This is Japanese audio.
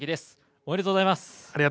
おめでとうございます。